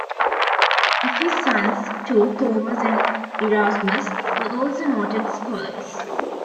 Of his sons, two, Thomas and Erasmus, were also noted scholars.